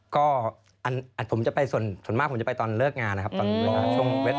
ก็ผมจะไปส่วนมากผมจะไปตอนเลิกงานนะครับตอนเวลา